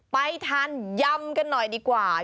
ไปทานยำกันหน่อยดีกว่า